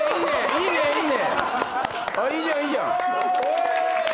いいじゃんいいじゃん。わ！